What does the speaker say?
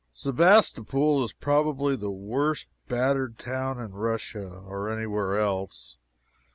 Sebastopol is probably the worst battered town in Russia or any where else.